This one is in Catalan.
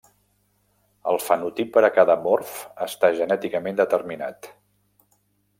El fenotip per a cada morf està genèticament determinat.